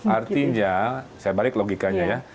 artinya saya balik logikanya ya